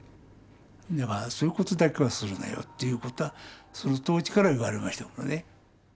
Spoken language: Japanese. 「だからそういうことだけはするなよ」っていうことはその当時から言われましたものね。